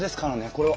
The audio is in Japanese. これは。